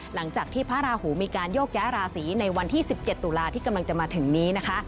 หลังจากที่พระราหูมีการโยกย้ายราศีในวันที่๑๗ตุลาที่กำลังจะมาถึงนี้นะคะ